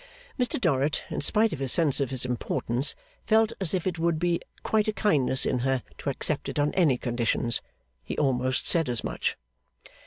Mr Dorrit, in spite of his sense of his importance, felt as if it would be quite a kindness in her to accept it on any conditions. He almost said as much.